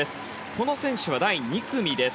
この選手は第２組です。